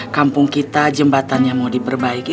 kampung kita jembatannya mau diperbaiki